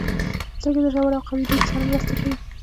• سترګې د ژور او قوي لید سره مرسته کوي.